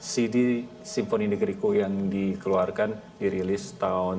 cd simfoni negriku yang dikeluarkan dirilis tahun seribu sembilan ratus sembilan puluh delapan